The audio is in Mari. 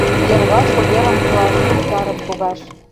Йырваш уверым пуаш, ӱзгарым погаш.